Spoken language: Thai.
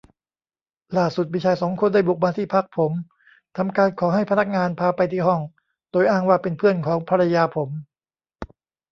ล่าสุดมีชายสองคนได้บุกมาที่พักผม ทำการขอให้พนักงานพาไปที่ห้องโดยอ้างว่าเป็นเพื่อนของภรรยาผม